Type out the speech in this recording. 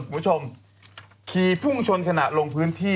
ผู้ชมคีย์ภูมิชนขณะลงพื้นที่